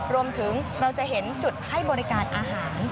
รวมถึงเราจะเห็นจุดให้บริการอาหาร